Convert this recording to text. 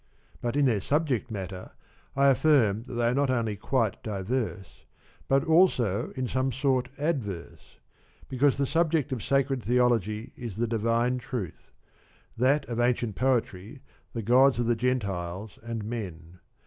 But in their subject matter I affirm that they are not only quite diverse, but also in some sort adverse ; because the subject of sacred Theology is the divine truth, that of ancient Poetry the gods of the Gentiles and men.